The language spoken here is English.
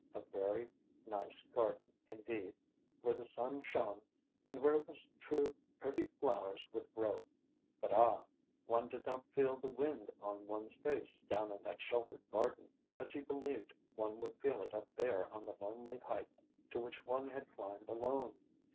A very nice garden indeed, where the sun shone and where it was true pretty flowers would grow but ah, one did not feel the wind upon one's face down in that sheltered garden as he believed one would feel it up there on the lonely heights to which one had climbed alone!